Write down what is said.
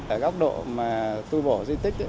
tại góc độ tui bổ di tích